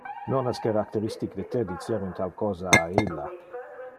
Non es characteristic de te dicer un tal cosa a illa.